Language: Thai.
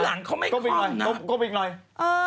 ไม่ได้อยู่ดีเนอะคล่องยังไง